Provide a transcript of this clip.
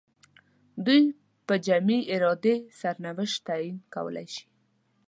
دوی په جمعي ارادې سرنوشت تعیین کولای شي.